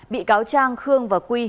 bị cáo trang khương và quy